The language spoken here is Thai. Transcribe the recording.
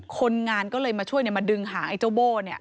คนงานก็เลยมาช่วยมาดึงหางไอ้เจ้าโบ้